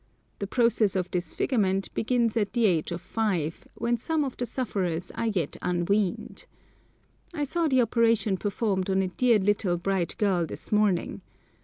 The process of disfigurement begins at the age of five, when some of the sufferers are yet unweaned. I saw the operation performed on a dear little bright girl this morning.